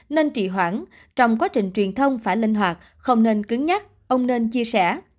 nên trị hoãn trong quá trình truyền thông phải linh hoạt không nên cứng nhắc ông nên chia sẻ